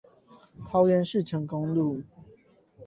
桃園市成功路